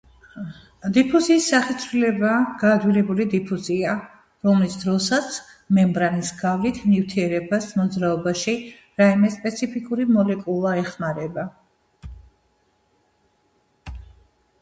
დიფუზიის სახეცვლილებაა გაადვილებული დიფუზია, რომლის დროსაც მემბრანის გავლით ნივთიერებას მოძრაობაში რაიმე სპეციფიკური მოლეკულა ეხმარება.